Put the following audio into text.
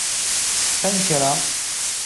Qqim kra.